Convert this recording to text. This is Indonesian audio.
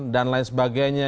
dan lain sebagainya